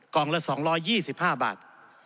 กล่องละสองร้อยยี่สิบห้าบาท